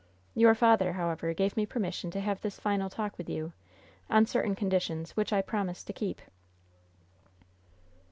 Your father, however, gave me permission to have this final talk with you, on certain conditions, which I promised to keep."